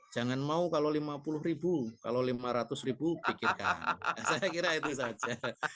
jangan mau kalau lima puluh ribu kalau lima ratus ribu pikirkan saya kira itu saja